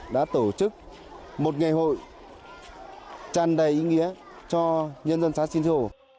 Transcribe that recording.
đã tổ chức một ngày hội tràn đầy ý nghĩa cho nhân dân xá xin rô